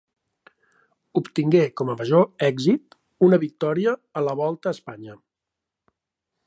Obtingué com a major èxit una victòria a la Volta a Espanya.